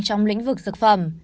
trong lĩnh vực dược phẩm